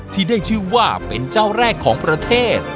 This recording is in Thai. ที่ได้ชื่อว่าเป็นเจ้าแรกของประเทศ